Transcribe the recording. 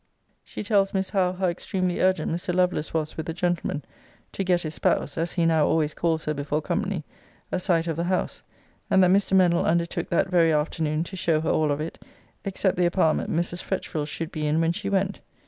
She tells Miss Howe how extremely urgent Mr. Lovelace was with the gentleman, to get his spouse (as he now always calls her before company) a sight of the house: and that Mr. Mennell undertook that very afternoon to show her all of it, except the apartment Mrs. Fretchville should be in when she went.